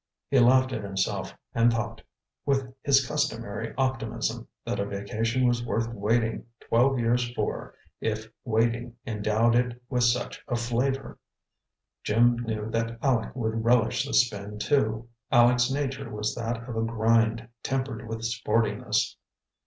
He laughed at himself and thought, with his customary optimism, that a vacation was worth waiting twelve years for, if waiting endowed it with such a flavor. Jim knew that Aleck would relish the spin, too. Aleck's nature was that of a grind tempered with sportiness.